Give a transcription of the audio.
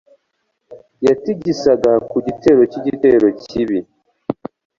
Yatigisaga ku gitero cyigitero kibi